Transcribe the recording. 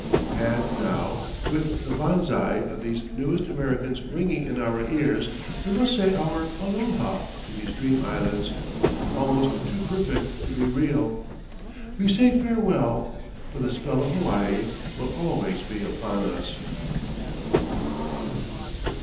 And now, with the banzai of these newest Americans ringing in our ears, we must say our "Aloha," to these dream Islands, almost too perfect to be real. We say farewell, but the Spell of Hawaii will always be upon us.